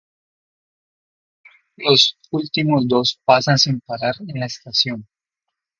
Los últimos dos pasan sin parar en la estación.